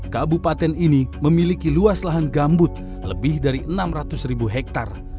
kabupaten ini memiliki luas lahan gambut lebih dari enam ratus ribu hektare